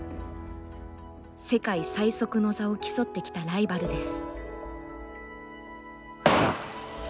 「世界最速」の座を競ってきたライバルです。